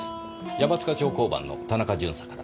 山塚町交番の田中巡査から。